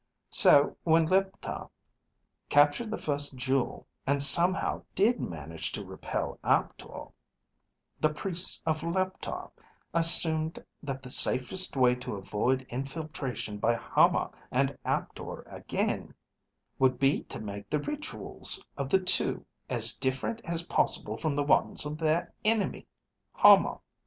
So when Leptar captured the first jewel, and somehow did manage to repel Aptor, the priests of Leptar assumed that the safest way to avoid infiltration by Hama and Aptor again would be to make the rituals of the two as different as possible from the ones of their enemy, Hama.